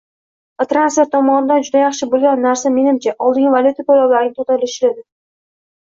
va transfer tomonidan juda yaxshi boʻlgan narsa, menimcha, oldingi valyuta toʻlovlarining toʻxtatilishidir.